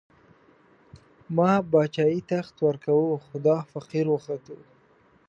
ما باچايي، تخت ورکوو، خو دا فقير وختو